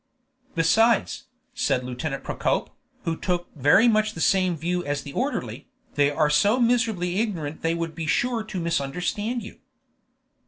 "Besides," said Lieutenant Procope, who took very much the same view as the orderly, "they are so miserably ignorant they would be sure to misunderstand you."